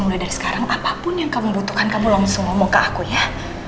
mulai dari sekarang apapun yang kamu butuhkan kamu langsung ngomong ke aku ya